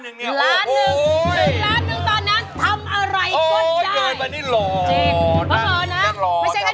ร้องได้ให้ร้อง